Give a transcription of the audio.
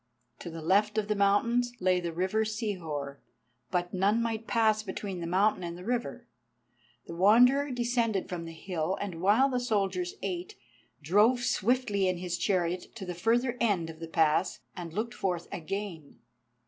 To the left of the mountains lay the river Sihor, but none might pass between the mountain and the river. The Wanderer descended from the hill, and while the soldiers ate, drove swiftly in his chariot to the further end of the pass and looked forth again.